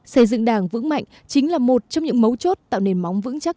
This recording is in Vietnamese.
xây dựng đảng vững mạnh chính là một trong những mấu chốt tạo nền móng vững chắc